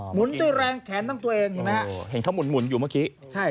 หนุนด้วยแรงแขนทั้งตัวเองเห็นไหมฮะเห็นเขาหมุนอยู่เมื่อกี้ใช่